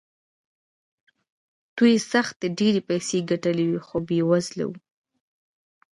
دوی زښته ډېرې پيسې ګټلې وې خو بې وزله وو.